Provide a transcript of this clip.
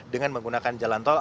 dengan menggunakan jalan tol